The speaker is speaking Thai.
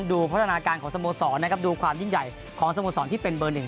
ดูพัฒนาการของสโมสรนะครับดูความยิ่งใหญ่ของสโมสรที่เป็นเบอร์หนึ่ง